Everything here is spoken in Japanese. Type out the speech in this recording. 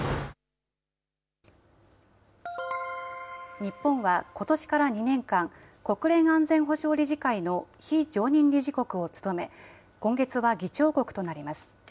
日本はことしから２年間、国連安全保障理事会の非常任理事国を務め、今月は議長国となります。